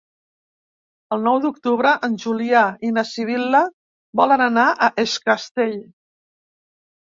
El nou d'octubre en Julià i na Sibil·la volen anar a Es Castell.